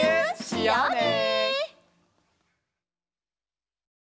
しようね！